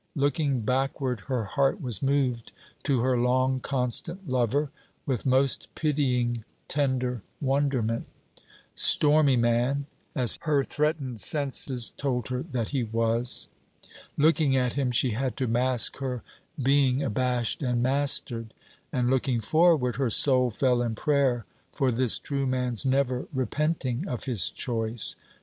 Looking backward, her heart was moved to her long constant lover with most pitying tender wonderment stormy man, as her threatened senses told her that he was. Looking at him, she had to mask her being abashed and mastered. And looking forward, her soul fell in prayer for this true man's never repenting of his choice.